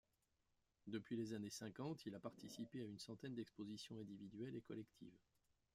Depuis les années cinquante, il a participé à une centaine d'expositions individuelles et collectives.